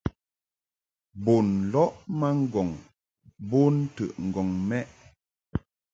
Bun lɔʼ ma ŋgɔŋ bon ntəʼŋgɔŋ mɛʼ.